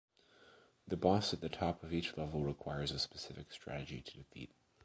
The boss at the top of each level requires a specific strategy to defeat.